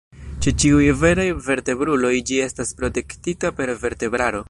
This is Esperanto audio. Ĉe ĉiuj veraj vertebruloj ĝi estas protektita per vertebraro.